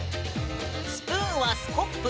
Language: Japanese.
スプーンはスコップ。